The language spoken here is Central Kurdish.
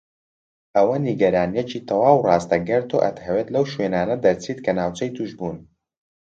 ئەوە نیگەرانیەکی تەواو ڕاستەگەر تۆ ئەتهەویت لەو شوێنانە دەرچیت کە ناوچەی توشبوون.